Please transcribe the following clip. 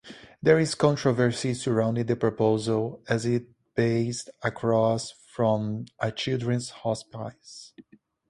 There is controversy surrounding this proposal as it based across from a children's hospice.